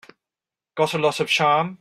Got a lot of charm.